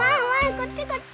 こっちこっち！